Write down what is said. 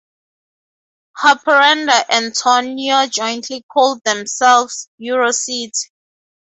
Haparanda and Tornio jointly call themselves "EuroCity".